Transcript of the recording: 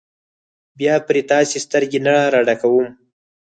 بیا پرې تاسې سترګې نه راډکوم.